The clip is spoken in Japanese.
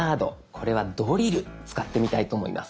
これは「ドリル」使ってみたいと思います。